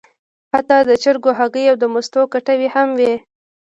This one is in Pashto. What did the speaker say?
حتی د چرګو هګۍ او د مستو کټوۍ هم وې.